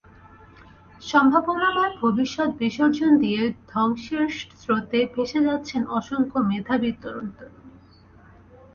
সম্ভাবনাময় ভবিষ্যৎ বিসর্জন দিয়ে ধ্বংসের স্রোতে ভেসে যাচ্ছেন অসংখ্য মেধাবী তরুণ তরুণী।